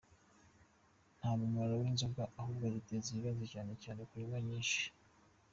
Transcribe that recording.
Nta mumaro w’inzoga ahubwo ziteza ibibazo cyane cyane kunywa nyinshi.